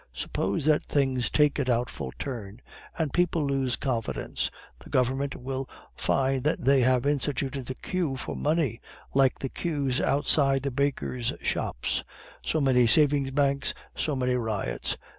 Suppose that things take a doubtful turn and people lose confidence, the Government will find that they have instituted a queue for money, like the queues outside the bakers' shops. So many savings banks, so many riots.